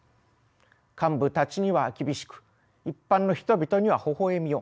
幹部たちには厳しく一般の人々にはほほ笑みを。